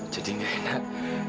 jadi gak enak